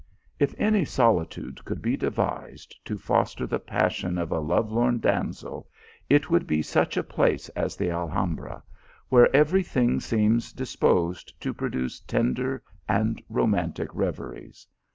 If any solitude could be devised to foster the passion of a lovelorn damsel, it would be such a place as the Alham bra, where every thing seems disposed to produce tender and romantic reveries.